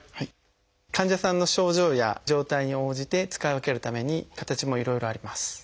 患者さんの症状や状態に応じて使い分けるために形もいろいろあります。